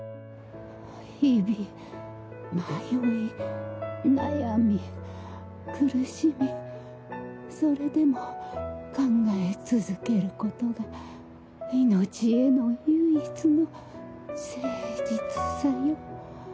日々迷い悩み苦しみそれでも考え続けることが命への唯一の誠実さよ。